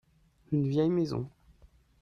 Une vieille maison.